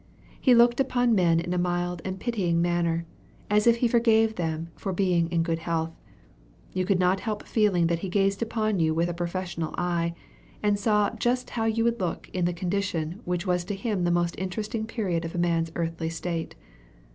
He looked upon men in a mild and pitying manner, as if he forgave them for being in good health. You could not help feeling that he gazed upon you with a professional eye, and saw just how you would look in the condition which was to him the most interesting period of a man's earthly state.